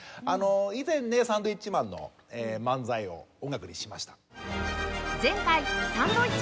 以前ねサンドウィッチマンの漫才を音楽にしました。